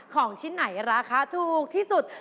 ของชิ้นไหนราคาถูกที่สุด